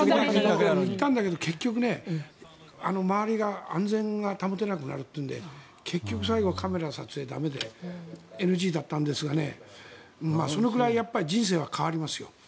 結局ね、周りが安全が保てなくなるというので最後はカメラの撮影駄目でＮＧだったんですがそのくらい人生は変わりますよ。